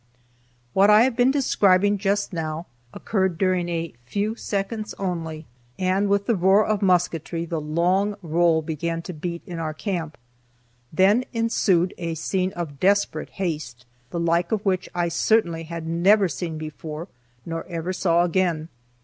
What I have been describing just now occurred during a few seconds only, and with the roar of musketry the long roll began to beat in our camp. Then ensued a scene of desperate haste, the like of which I certainly had never seen before, nor ever saw again.